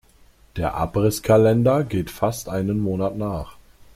Der Abrisskalender geht fast einen Monat nach.